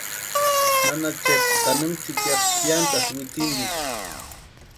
Nana Chepa tanimu tsïkiata piantʼasti wintsintikwa.